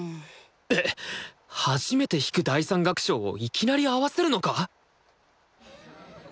えっ初めて弾く第３楽章をいきなり合わせるのか！？